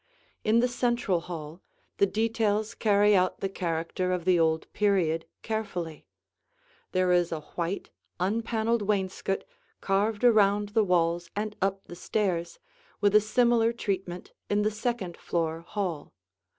In the central hall, the details carry out the character of the old period carefully. There is a white unpaneled wainscot carved around the walls and up the stairs, with a similar treatment in the second floor hall.